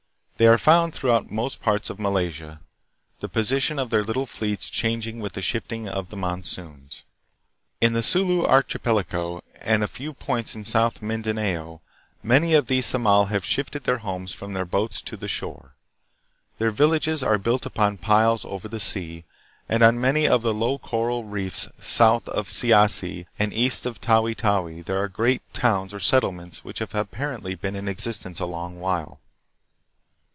They are found throughout most parts of Malaysia, the position of their little fleets changing with the shifting of the monsoons. In the Sulu archipelago and a few points in South Mindanao, many of these Samal have shifted their homes from their boats to the shore. Their villages are built on piles over the sea, and on many of the low coral reefs south of Siassi and east of Tawi Tawi there are great towns or settlements which have apparently been in existence a long while.